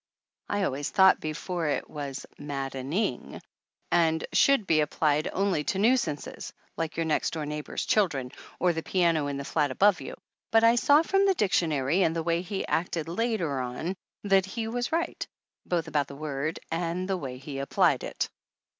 I always thought before it was maddening, and should be applied only to nuisances, like your next door neighbor's children, or the piano in the flat above you ; but I saw from the diction ary and the way he acted later on that he was right, both about the word and the way he ap plied it.